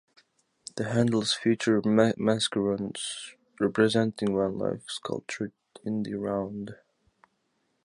The handles feature mascarons representing wildlife, sculpted in the round.